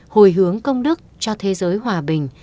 hồi hướng công đức cho thế giới hòa bình